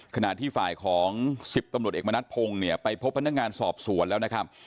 ขณะที่ฝ่ายของ๑๐ตำรวจเอกมณัฐพงศ์เนี่ยไปพบพนักงานสอบสวนแล้วนะครับ